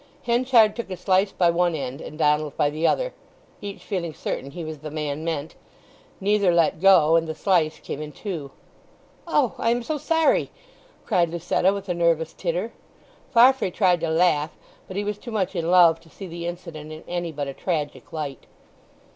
Henchard took a slice by one end and Donald by the other; each feeling certain he was the man meant; neither let go, and the slice came in two. "Oh—I am so sorry!" cried Lucetta, with a nervous titter. Farfrae tried to laugh; but he was too much in love to see the incident in any but a tragic light.